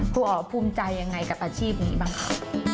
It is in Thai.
ครูอ่าภูมิใจอย่างไรกับอาชีพนี้บ้างค่ะ